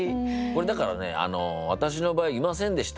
だからね私の場合「いませんでした」